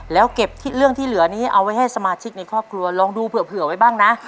แล้วเก็บเรื่องที่เหลือนี้เอาไว้ให้สมาชิกในครอบครัวลองดูเผื่อไว้บ้างนะ